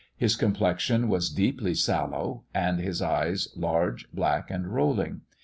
His complexion was deeply sallow, and his eyes large, black, and rolling.